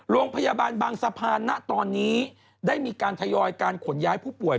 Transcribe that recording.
โรงพยาบาลบางสะพานนะตอนนี้ได้มีการทยอยการขนย้ายผู้ป่วย